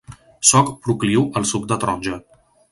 Soc procliu al suc de taronja.